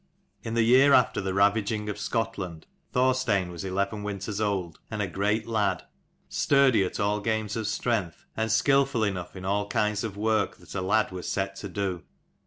79 In the year after the ravaging of Scotland, Thorstein was eleven winters old, and a great lad : sturdy at all games of strength, and skilful enough in all kinds of work that a lad was set to do.